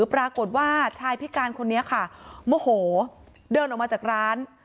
ปรากฏว่าชายพิการคนนี้ค่ะโมโหเดินออกมาจากร้าน